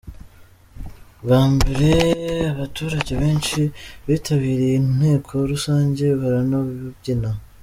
Bwa mbere abaturage benshi bitabiriye inteko rusange, baranabyina.